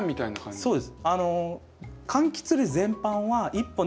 そうです。